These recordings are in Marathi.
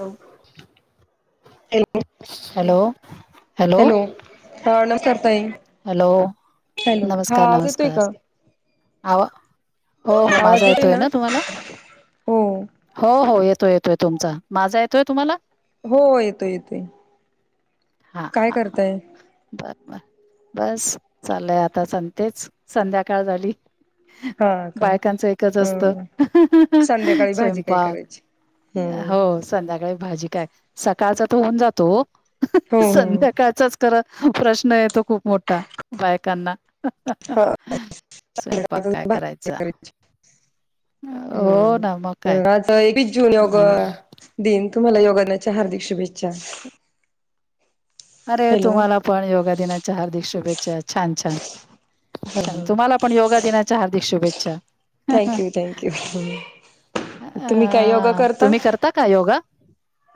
हो. हॅलो हॅलो हॅलो.. हा नमस्कार ताई हॅलो हॅलो हा नमस्कार! आवाज येतोय का नमस्कार! आवा हो हो माझा येतोय ना तुम्हाला? हो हो हो येत येतो येतोय. तुमचा माझा येतोय तुम्हाला? हो येतो-येतोय. हा काय हा करताय? बर बस चालुय आता संतेच संध्याकाळ झाली. हा का बायकांच एकच अ असत संध्याकाळी भाजी काय स्वयंपाक. करायची हम्म हो संध्याकाळी भाजी काय सकाळचा तर होऊन जातो हो हो संध्याकाळचाच का प्रश्न येतो खूप मोठा बायकांना. स्वयंपाक काय करायचा [unintelligible] हो ना मग काय हम्म जून योग दिन तुम्हाला योगा दिनाच्या हार्दिक शुभेच्छा. अरे हॅलो तुम्हाला पण योगा दिनाच्या हार्दिक शुभेच्छा छान छान. छान ह तुम्हाला पण योगा दिनाच्या हार्दिक शुभेच्छा. Thank you thank you. तुम्ही काय योगा अ, करता? तुम्ही का योगा?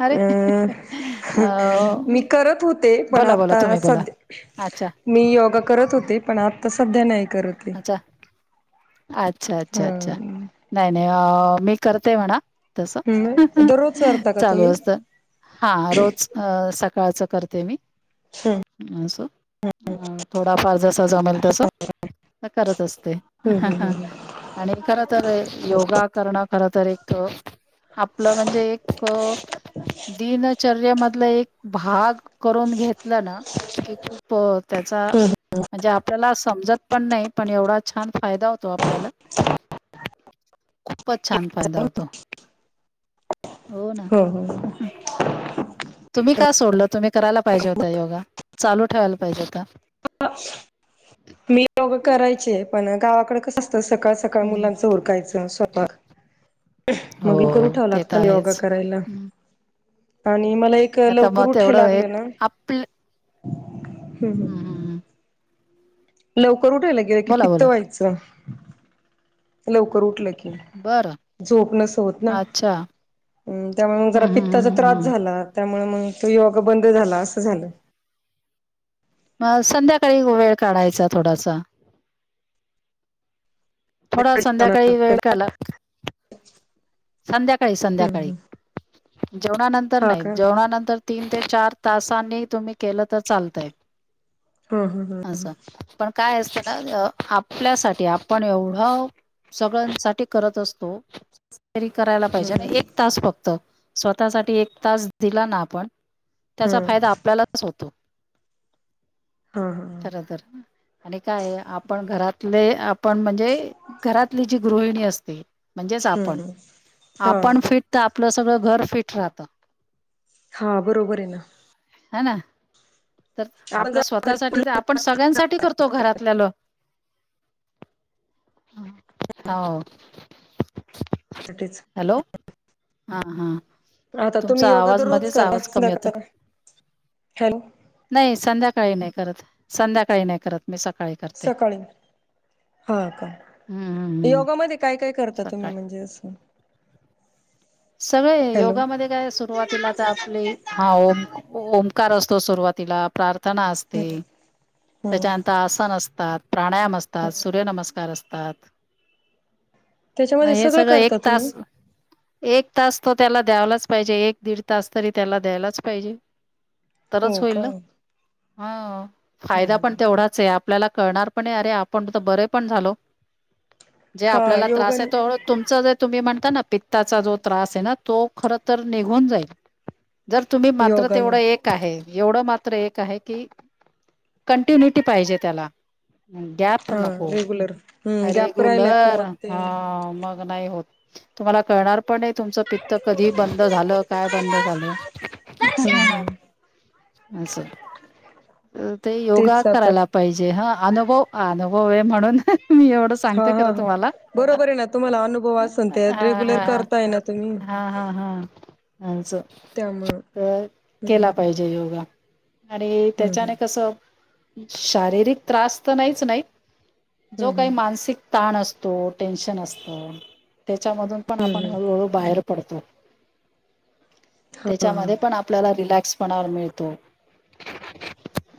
अरे अम् मी अ, करत ते पण बोला, बोला आता तुम्ही बोला. सध्या अच्छा, मी योगा करत होते. पण आता सध्या नाही. करते. अच्छा-अच्छा-अच्छा. नाही-नाही मी करतेय म्हणा. तस. हम्म दररोज करता का चालू तुम्ही? असत. हा रोज अ सकाळच करते. करते मी. हम्म थोडफार जस. जमेल तस. करत असते. हम्म हम्म आणि खर तर. योगा करणं खर तर एक आपलं म्हणजे एक दिनचर्यामध्ये. मध एक भाग करून घेतला ना. की खूप त्याचा.? म्हणजे आपल्याला समजत पण नाही. पण एवढा छान. फायदा होतो आपल्याला. खूपच छान फायदा होतो. हो. हो. सोडल तुम्ही करायला पाहिजे होता योगा. चालू ठेवायला पाहिजे होता. मी बघून करायचे. पण गावाकड कसं सकाळ-सकाळी हम्म. मुलांचं उरकायचं स्वतः मग उठाव हो ठेव ते तर लागत योगा आहेच करायला आणि हम्म. आणि मला एक आता मग लवकर उठाय तेवढं लागले एक ना. हम्म हम. हम्. हम. लवकर उठायला गेलं की बोला पित्त बोला व्हायचं. लवकर उठलं की. बरं झोप नसते होत ना. अच्छा ह त्यामुळे मग जरा हम्म हम्म पित्ताचा हम्म त्रास हम्म झाला. त्या. मग तो योग बंद झाला असं झालं. मग संध्याकाळी वेळ काढायचा थोडासा. थोडा संध्याकाळी वेळ केलात. संध्याकाळी, संध्याकाळी जेवणानंतर हा नाही. का जेवणानंतर तीन ते चार तासांनी तुम्ही केलं तर चालतंय. हा हा हा. असं पण काय असत ना आपल्यासाठी आपण एवढं सगळ्यांसाठी करत असतो. री करायला हा पाहिजे आणि ह एक तास फक्त स्वतःसाठी एक तास दिला ना आपण हा त्याचा फायदा आपल्यालाच होतो. हा हा खर तर आणि काय आपण घरातले आप पण म्हणजे घरातली जी गृहिणी असते म्हणजेच आपण हम्म हा आपण फिट तर, आपलं सगळं घर फिट राहत. हा बरोबर आहे ना. हाना. तर आपण आपला जर स्वतःसाठी तर आपण सगळ्यांसाठी करतो घरातल्यालं हो. साठीच. हॅलो हा हा. आता तुम्ही तुमचा योगा आवाज तर रोज मध्येच आवाज कमी होता करताध हल नाही संध्याकाळी नाही करत. संध्याकाळी नाही करत. मी सकाळी करते सकाळी. हा का? हम्म हम्म हम्म योगामध्ये काय काय करता तुम्ही सकाळी म्हणजे असं सगळे हॅलो योगामध्ये काय सुरुवातीला, तर आपली हा ओ ओंकार असतो सुरुवात तिला प्रार्थना असते. हम्म त्याच्यानंतर आसन असतात. प्राणायाम असतात. सूर्यनमस्कार असतात. म त्याच्यामध्ये हे सगळं एक करता तुम्ही तास एक तास तो त्याला द्यायलाच पाहिजे. एक दीड तास तरी त्याला द्यायलाच पाहिजे. हो तरच होईल का? ना हा फायदा पण तेवढाच आहे, आप आपल्याला कळणार पण अरे आपण तर बरे पण झालो. जे हा आपल्याला त्रास आहे. योगन तो तुमच जे तुम्ही म्हणता ना पित्ता जो त्रास आहे ना तो खर तर निघून जाईल. जर तुम्ही मात्र योगाने तेवढं एक आहे एवढं मात्र एक आहे की कंटिन्युटी पाहिजे त्याला गॅप हा नको. रेग्युलर हम्म गॅप राहिला की रेगुलर मग ते हा मग नाही होत तुम्हाला कळणार प पण तुमचं पित्त कधी बंद झालं, काय बंद झालं. हम्म हम्म अस. ते योगा तेच आता करायला पाहिजे हा अनुभव अनुभ होय म्हणून मी एवढं हा सांगते हा खरं हा तुम्हाला बरोबर आहे ना तुम्हाला अनुभव असन हा ते रेग्युलर ह करताय ना तुम्ही हा हा हा अच त्यामुळं तर केला हम्म पाहिजे योगा अरे हम्म हम्म त्याच्याने कसं शारीरिक त्रास तर नाहीच नाही जो हम्म काही हम्म मानसिक ताण असतो टेनशन असतं त्याच्यामधून पण हम्म आपण हम्म हळूहळू बाहेर पडतो. हा हा त्याच्यामध्ये पण आपल्याला [unintelligible] मिळतो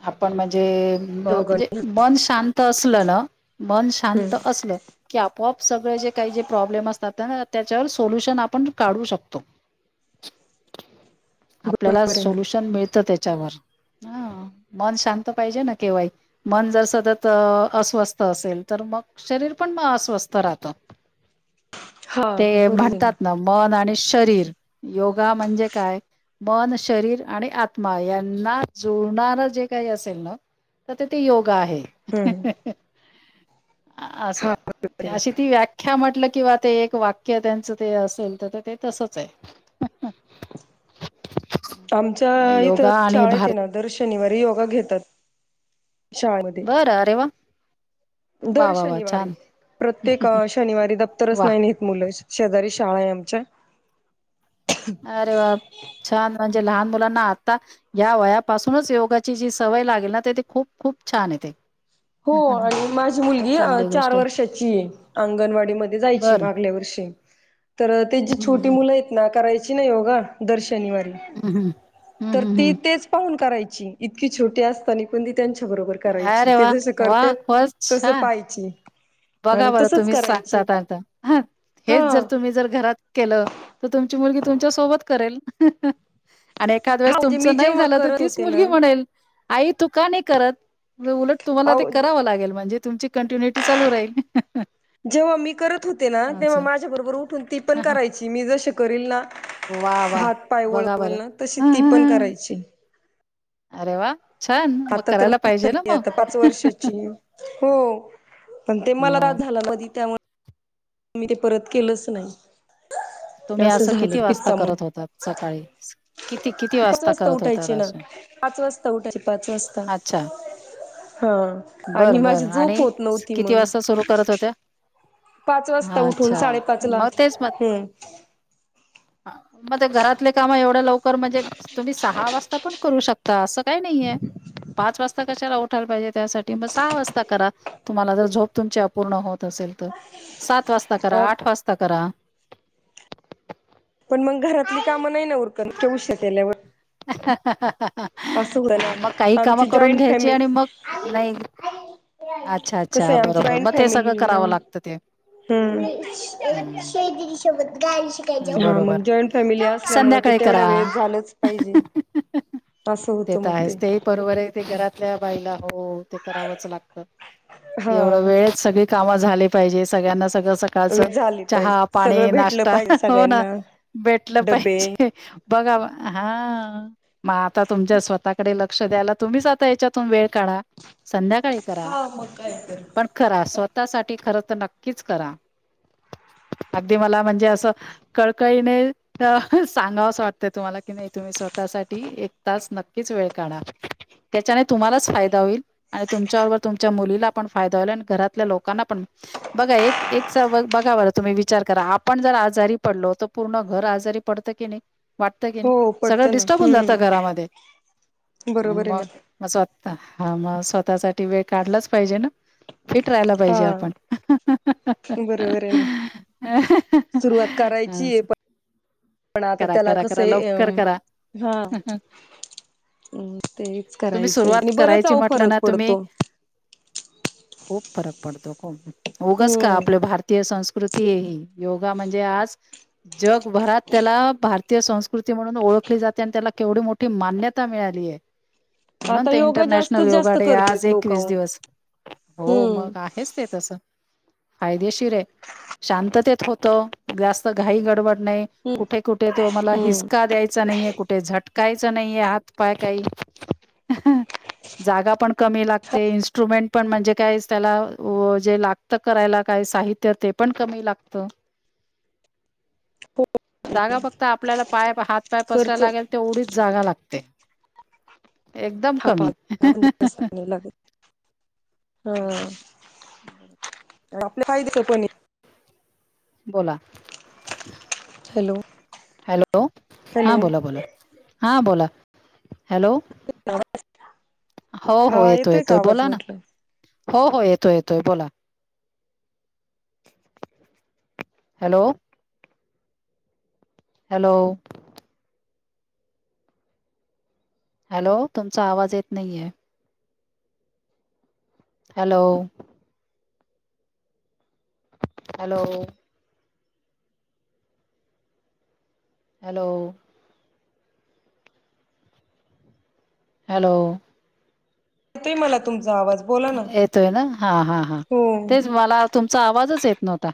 आपण म्हणजे? म्हणजे दोघांनी मन शांत असलं ना मन शांत हम्म असलं की आपोआप सगळे जे काही जे प्रॉब्लेम असतात ना त्या सोल्यूशन आपण काढू शकतो. आपल्याला बरोबर आहे ना सोल्युशन मिळत त्याच्यावर हा. मन शांत पाहिजे ना केव्हाही, मन जर सतत अस्वस्थ असेल तर मग शरीर पण मग अस्वस्थ राहतं. [unintelligible] ते बरोबर आहे म्हणतात ना मन आणि शरीर योगा म्हणजे काय? मन शरीर आणि आत्मा यांना जुळणारं जे काही असेल ना तर ते योगा आहे हा हम्म हा. असं हा बरोबर आहे ना अशी ती व्याख्या म्हटल किंवा ते एक वाक्य क त्यांचं ते असेल तर ते तसच आहे. आमच्या इथ योगा आणि शाळेत आहे भारत ना, दर शनिवारी योगा घेतात. शाळेमध्ये बरं अरे! वा. वा दर वा वा शनिवारी छान प्रत्येक शनिवारी दप्तरच वा नाही नेत मुलं शेजारी शाळा आहे आमच्या. अरे! वा छान म्हणजे लहान मुलांना आता या वयापासूनच योगाची जी सवय लागेल, ना ते त खूप खूप छान आहे ते. हो आणि माझी मुलगी चार गोष्ट आहे. वर्षाची आहे अंगणवाडी मध्ये जायची बरं मागल्या वर्षी. तर जी छोटी हम्म मुलं आहेत ना करायच योगा दर शनिवारी हम्म हम्म हम्म हम्म तर हम्म ती हम्म तेच पाहून करायची. इतकी छोटी असतानी पण, ती त्यांच्या बरोबर करायची. अरे ते वा जसं वा करत्यात खरच तसं छान पाहिजे. बघा बरं तुम्हीच सांगता त आता हा. हा हेच जर. तुम्ही जर. घरात केलं. तर तुमची मुलगी तुमच्या सोबत करेल हा हा... आणि एखाद हा वेळेस म्हणजे मी तुमचं नाही जेव्हा झालं. तर करत तीच होते मुलगी ना म्हणेल आई तू का नाही करत? उलट तुम्हाला ते अहो करावं लागेल म्हणजे तुमची कंटिन्युटी चालू राहील. जेव्हा मी करत होते ना. तेव्हा असं. माझ्या बरोबर उठून ती पण हां, हां. करायची. मी जसे करील ना. वाह! वाह! हात पाय बघा वळवेल बरं. ना. तशी ती पण करायची. अरे वा. छान मग आता तर करायला मोठी पाहिजे ना झाली मग. आता पाच हा हा. वर्षाची हो पण ते मला त्रास झाला. मधी त्यामुळे मी ते परत केलंच नाही. तुम्ही असं किती झालं वाजता करत पित्तामुळे होतात सकाळी? किती-किती पाच वाजता करत होत उठायचे ना असं? पाच वाजता उठायचे पाच वाजता अच्छा. हा आणि माझी बर-बरं ह आणि. झोप होत नव्हती किती मग वाजता सुरू करत होत्या? पाच वाजता हा उठून अच्छा. साडेपाच ला म तेच म्हण हम्म मग ते घरातले काम एवढं लवकर म्हणजे. तुम्ही सहा वाजता पण करू शकता. असं काही नाही. ह [unintelligible] पाच वाजता कशाला उठायला पाहिजे त्यासाठी मग सहा वाजता करा तुम्हाला जर झोप तुमची अपूर्ण होत असेल. सात वाजता करा आठ वाजता करा. पण मग घरातली काम नाही ना उरकत उशीर केल्यावर हा हा हा असं होतं ह मग काही ना कामं आमची करून जॉईंट घ्यायची फॅमिली आणि मग नाही अच्छा-अच्छा कसं आहे बरोबर मग ते सगळं करावं लागतं ते, - ह जषमध्ये [unintelligible] [unintelligible] हा मग बरोबर जॉईंट फॅमिली असल्यामुळे ते संध्याकाळी तेवढ्या करा. वेळस झालंच पाहिजे. [unintelligible] ते तर आहेच ते बरोबर आहे ते घरातल्या बाईला हो ते करावंच लागत एवढं हा वेळेत सगळी कामं झाली पाहिजे सगळ्यांना सगळं सकाळचं झाले पाहिजे चहा सगळं पाणी भेटलं नाश्ता पाहिजे हो ना सगळ्यांना भेटलं डबे पाहिजे, बघा हा. मग आता तुमच्या स्वतःकडे लक्ष द्यायला तुम्हीच आता याच्यातून वेळ काढा संध्याकाळी करा पण करा पण स्वतःसाठी खरच तर नक्कीच करा अगदी मला म्हणजे असं कळकळीने सांगावचं वाटत तुम्हाला कि नाही तुम्ही स्वतःसाठी एक तास नक्की नक्कीच वेळ काढा. त्याच्याने तुम्हालाच फायदा होईल, आणि तुमच्याबरोबर तुमच्या मुलीला पण फायदा होईल आणि घरातल्या लोकांना पण बघा एक बघा बर तुम्ही विचार करा, आपण जर आजारी पडलो तर पूर्ण घर आजारी पडतं की नाही? वाटत की नाही हो सगळं पडतं ना डिस्टर्ब होऊन जात, हम्म घरामध्ये बरोबर आहे मग ना अस वाटतं हा मग स्वतःसाठी वेळ काढलाच पाहिजे ना. फिट राहायला पाहिजे हा आपण. बरोबर आहे ना [unintelligible] सुरुवात करायची आहे पण पण आता करा त्याला करा कसं करा ये लवकर म करा हा. हम तेच तुम्ही करायचंय सुरुवात आणि बरच करायची आहो म्हटलं फरक ना तुम्ही पडतो. [unintelligible] खूप फरक पडतो खूप उगच का हम्म आपल्या भारतीय संस्कृती ह योगा म्हणजे आज जगभरात त्याला भार भारतीय संस्कृती म्हणून ओळखली जाते, आणि त्याला केवढी मोठी मान्यता मिळाली आहे. म्हणून आता ते योगा इंटरनॅशनल जास्तीत योगा जास्त डे आज करतेत लोक एकवीस अहो दिवस हो मग हम्म. आहेच ते तसं. फायदेशीर आहे शांततेत होतं जास्त घाई गडबड नाही हम्म कुठे कुठे तो मला हि हम्म हिसका द्यायचा नाही ये. कुठे झटकायचं नाहीे हातपाय काही. [unintelligible] जागा पण कमी लागते, इन्स्ट्रुमेंट पण म्हणजे काय त्याला जे लागत करायला काय साहित्य ते पण कमी लागतं. [unintelligible] जागा फक्त आपल्याला पाय हात पाय खर्च पसरायला लागेल तेवढीच जागा लागते. एकदम हा कमी. अह पण ह जास्त ह. नाही लागत हा आपल्या फायद्याच कोणी बोला. हॅलो! हॅलो! हा हॅलो बोला बोला हा बोल. हॅलो! हो हो हा येतोय का येतोय आवाज बोला ना. म्हटलं हो हो, येतोय येतोय बोला. हॅलो! हॅलो! हॅलो! तुमचा आवाज येत नाहीये. हॅलो! हॅलो! हॅलो! हॅलो! येतोय मला तुमचा आवाज. बोला ना येतोय ना हा हा हा हो तेच मला तुमचा आवाजचं येत नव्हतं.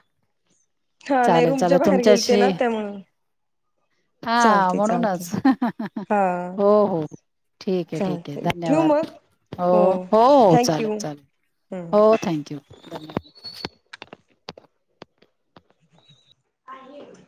हा नाही चालेल रूमच्या चालेल बाहेर गेलते तुमच्याशी ना त्यामुळं हा चालते चालते म्हणूनच हा हो हो. ठीक आहे ठीक आहे चालते ठेवू धन्यवाद! मग हो हो चाल थँक चालेल यू चालेल, हम्म हो थँक्यू धन्यवाद! [unintelligible]